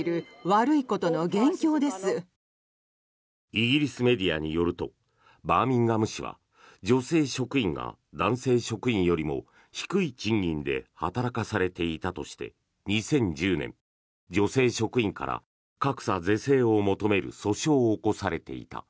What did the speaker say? イギリスメディアによるとバーミンガム市は女性職員が男性職員よりも低い賃金で働かされていたとして２０１０年、女性職員から格差是正を求める訴訟を起こされていた。